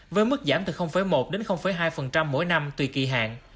với mức giảm từ một đến hai mỗi năm tùy kỳ hạn